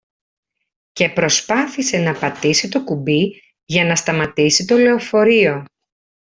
και προσπάθησε να πατήσει το κουμπί για να σταματήσει το λεωφορείο